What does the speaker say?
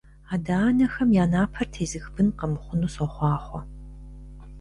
Адэ-анэхэм я напэр тезых бын къэмыхъуну сохъуахъуэ!